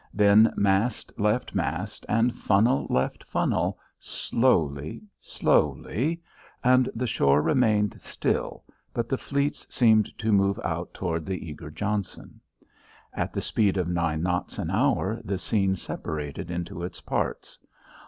Then mast left mast, and funnel left funnel, slowly, slowly, and the shore remained still, but the fleets seemed to move out toward the eager Johnson. At the speed of nine knots an hour the scene separated into its parts.